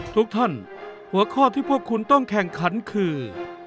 ทุกท่านหัวข้อที่พวกคุณต้องแข่งขันคือ